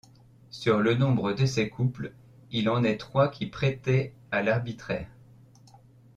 Sur le nombre de ces couples, il en est trois qui prêtaient à l'arbitraire.